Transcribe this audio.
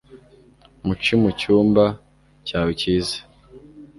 Mu ci mucyumba cyawe cyiza